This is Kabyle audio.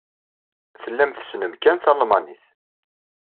Tellam tessnem kan talmanit.